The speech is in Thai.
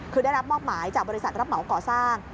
คือได้รับมอบหมายจากบริษัทรับเหมาก่อสร้าง